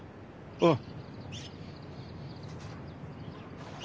うん。